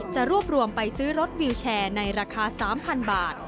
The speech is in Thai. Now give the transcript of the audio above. จะรวบรวมไปซื้อรถวิวแชร์ในราคา๓๐๐๐บาท